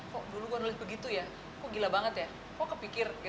kok dulu gue nulis begitu ya kok gila banget ya kok kepikir